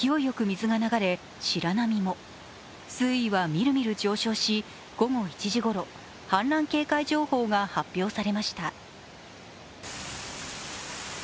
水位はみるみる上昇し、午後１時ごろ氾濫警戒情報が発表されました。